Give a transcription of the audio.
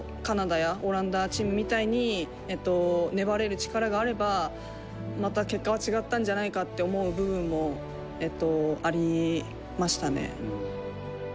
カナダやオランダチームみたいに粘れる力があればまた結果は違ったんじゃないかって思う部分もありましたね。